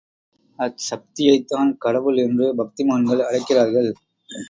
அச்சக்தியைத்தான் கடவுள் என்று பக்திமான்கள் அழைக்கிறார்கள்.